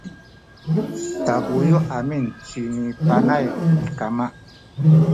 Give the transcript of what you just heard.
tabuyu’ amin cini Panay mikama